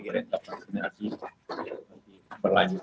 itu hal sebenarnya yang kita harus berhasil